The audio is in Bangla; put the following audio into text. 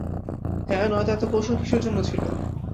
হ্যাঁ, নয়তো এত কৌশল কীসের জন্য ছিল?